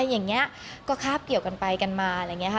อย่างนี้ก็คาบเกี่ยวกันไปกันมาอะไรอย่างนี้ค่ะ